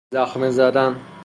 زخمه زدن